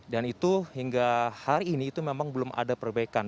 dan itu hingga hari ini itu memang belum ada perbaikan